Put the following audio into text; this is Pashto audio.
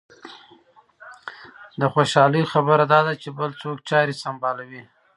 د خوشالۍ خبره دا ده چې بل څوک چارې سنبالوي.